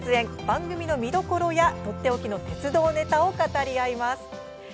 番組の見どころやとっておきの鉄道ネタを語り合います。